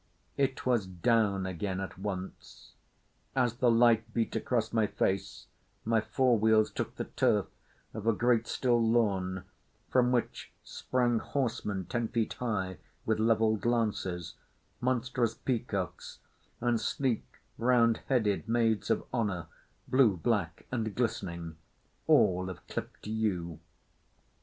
It was down again at once. As the light beat across my face my fore wheels took the turf of a great still lawn from which sprang horsemen ten feet high with levelled lances, monstrous peacocks, and sleek round headed maids of honour—blue, black, and glistening—all of clipped yew.